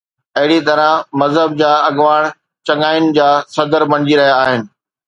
اهڙيءَ طرح مذهب جا اڳواڻ چڱاين جا صدر بڻجي رهيا آهن.